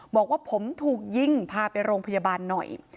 บอกว่าผมถูกยิงพาไปโรงพยาบาลหน่อย